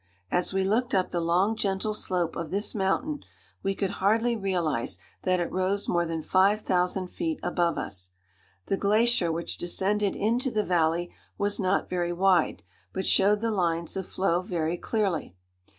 As we looked up the long gentle slope of this mountain, we could hardly realize that it rose more than 5000 feet above us. The glacier which descended into the valley was not very wide, but showed the lines of flow very clearly.